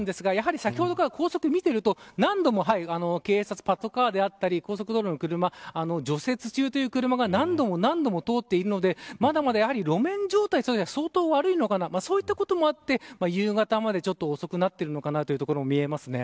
先ほどから高速を見ていると何度も警察、パトカーであったり高速道路の車除雪中という車が何度も通っているのでまだまだ、やはり路面状態が相当悪いのかなそういったこともあって夕方まで遅くなっているのかなということも見えます。